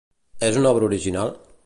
És una obra original?